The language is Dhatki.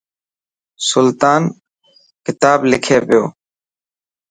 سلطان ڪتا لکي پيو.